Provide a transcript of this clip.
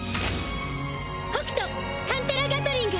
ホクトカンテラガトリング！